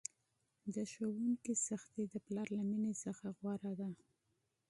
د ښوونکي سختي د پلار له میني څخه غوره ده!